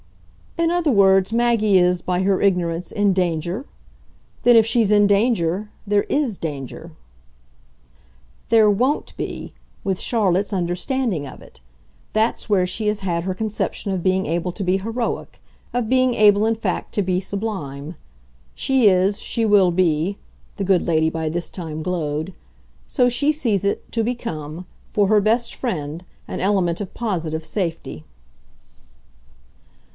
"In other words Maggie is, by her ignorance, in danger? Then if she's in danger, there IS danger." "There WON'T be with Charlotte's understanding of it. That's where she has had her conception of being able to be heroic, of being able in fact to be sublime. She is, she will be" the good lady by this time glowed. "So she sees it to become, for her best friend, an element of POSITIVE safety."